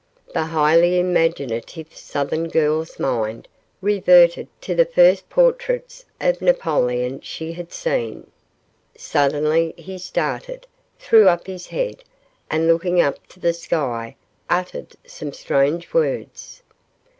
The highly imaginative southern girl's mind reverted to the first portraits of Napoleon she had seen. Suddenly he started, threw up his head and looking up to the sky uttered some strange words.